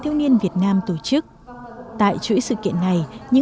thiếu niên việt nam tổ chức tại chuỗi sự kiện này những